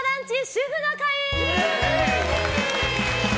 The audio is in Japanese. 主婦の会。